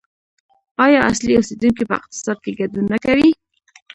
آیا اصلي اوسیدونکي په اقتصاد کې ګډون نه کوي؟